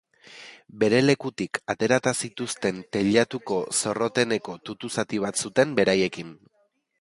Bere lekutik aterata zituzten teilatuko zorroteneko tutu-zati bat zuten beraiekin.